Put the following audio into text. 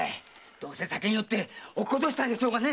どうせ酒に酔って落としたんでしょうね。